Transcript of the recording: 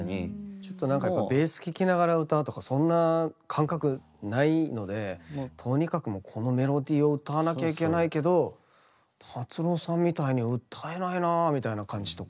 ちょっとなんかやっぱベース聴きながら歌うとかそんな感覚ないのでとにかくもうこのメロディーを歌わなきゃいけないけど達郎さんみたいに歌えないなみたいな感じとか。